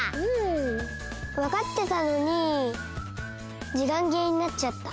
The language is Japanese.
わかってたのにじかんぎれになっちゃった。